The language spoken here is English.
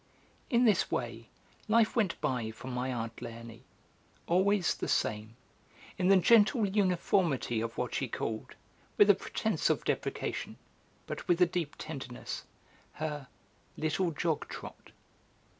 In this way life went by for my aunt Léonie, always the same, in the gentle uniformity of what she called, with a pretence of deprecation but with a deep tenderness, her 'little jog trot.'